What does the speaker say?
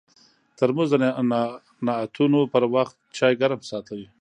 ترموز د نعتونو پر وخت چای ګرم ساتي.